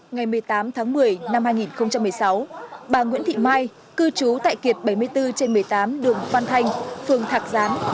ngày một mươi tám tháng một mươi năm hai nghìn một mươi sáu bà nguyễn thị mai cư trú tại kiệt bảy mươi bốn trên một mươi tám đường phan thanh phường thạc gián